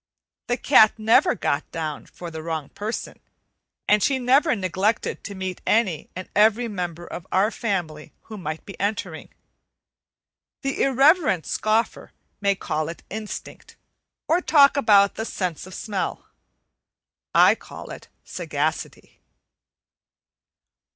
The cat never got down for the wrong person, and she never neglected to meet any and every member of our family who might be entering. The irreverent scoffer may call it "instinct," or talk about the "sense of smell." I call it sagacity.